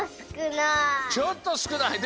ちょっとすくない。